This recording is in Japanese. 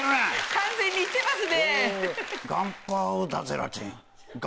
完全に言ってますね。